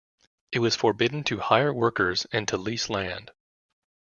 It was forbidden to hire workers and to lease land.